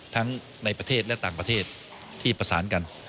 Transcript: ทั้งในประเทศและต่างประเทศที่ประสานกัน